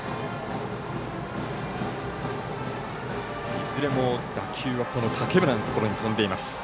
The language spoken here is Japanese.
いずれも打球は竹村のところに飛んでいます。